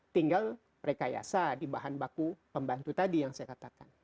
tinggal rekayasa di bahan baku pembantu tadi yang saya katakan